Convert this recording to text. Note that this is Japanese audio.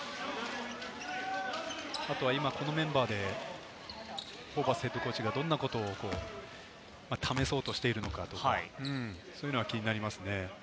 あとは今、このメンバーでホーバスＨＣがどんなことを試そうとしているのか、そういうのが気になりますね。